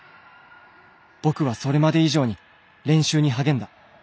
僕はそれまで以上に練習にはげんだ。